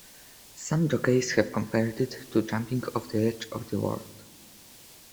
Some jockeys have compared it to jumping off the edge of the world.